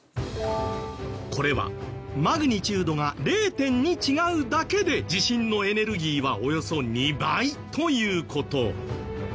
これはマグニチュードが０．２違うだけで地震のエネルギーはおよそ２倍という事。